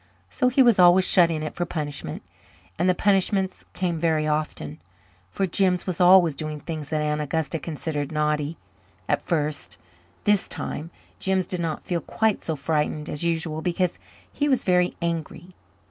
So he was always shut in it for punishment; and the punishments came very often, for Jims was always doing things that Aunt Augusta considered naughty. At first, this time, Jims did not feel quite so frightened as usual because he was very angry.